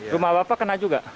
rumah bapak kena juga